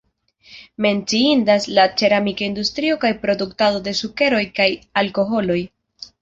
Menciindas la ceramika industrio kaj produktado de sukeroj kaj alkoholoj.